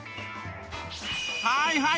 はいはい！